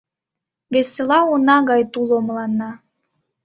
Весела уна гай туло мыланна.